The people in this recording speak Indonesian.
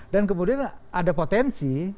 dan kemudian ada potensi